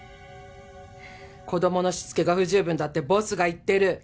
子供のしつけが不十分だってボスが言ってる。